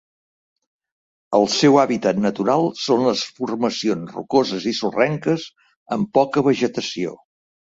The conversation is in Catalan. El seu hàbitat natural són les formacions rocoses i sorrenques amb poca vegetació.